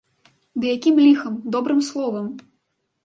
Ды якім ліхам, добрым словам!